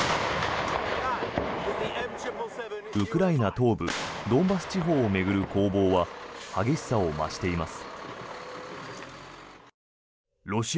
ウクライナ東部ドンバス地方を巡る攻防は激しさを増しています。